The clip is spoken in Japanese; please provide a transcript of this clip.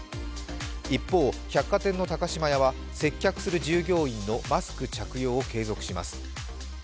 一方、百貨店の高島屋は接客する従業員のマスク着用を継続します。